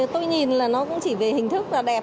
tôi nhìn là nó cũng chỉ về hình thức là đẹp